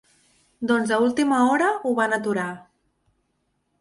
Doncs a última hora ho van aturar.